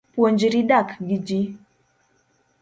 Puonjri dak gi jii